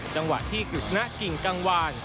จังหวะที่กฤษณะกิ่งกังวาน